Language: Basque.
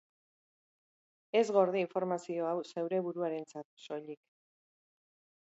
Ez gorde informazio hau zeure buruarentzat soilik.